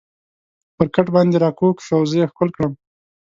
پر کټ باندې را کږ شو او زه یې ښکل کړم.